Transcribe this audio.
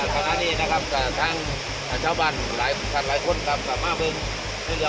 พวกมันกำลังพูดได้